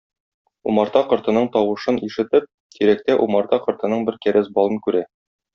Умарта кортының тавышын ишетеп, тирәктә умарта кортының бер кәрәз балын күрә.